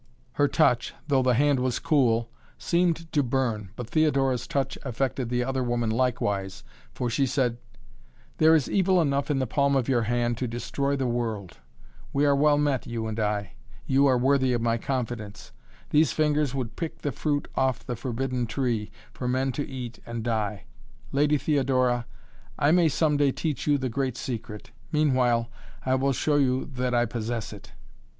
Her touch, though the hand was cool, seemed to burn, but Theodora's touch affected the other woman likewise for she said: "There is evil enough in the palm of your hand to destroy the world! We are well met, you and I. You are worthy of my confidence. These fingers would pick the fruit off the forbidden tree, for men to eat and die! Lady Theodora I may some day teach you the great secret meanwhile I will show you that I possess it!"